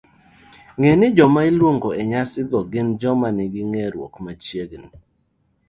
Ng'e ni joma iluongo e nyasi go gin joma nigi ng'eruok machiegni